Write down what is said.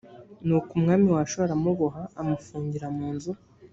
nuko umwami wa ashuri aramuboha amufungira mu nzu